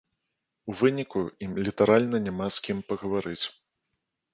У выніку ім літаральна няма з кім пагаварыць.